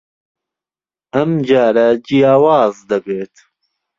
ئەم جارە جیاواز دەبێت.